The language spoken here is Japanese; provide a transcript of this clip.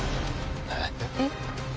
えっ？